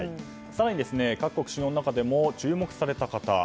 更に各国首脳の中でも注目された方。